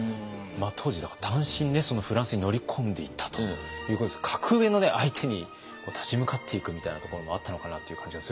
当時だから単身フランスに乗り込んでいったということですけど格上の相手に立ち向かっていくみたいなところもあったのかなっていう感じがするんですけど。